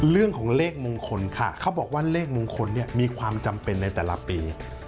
เรื่องของเลขมงคลค่ะเขาบอกว่าเลขมงคลเนี่ยมีความจำเป็นในแต่ละปี